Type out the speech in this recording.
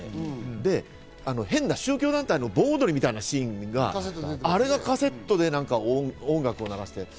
で変な宗教団体の盆踊りみたいなシーンがあれがカセットで音楽を流していた。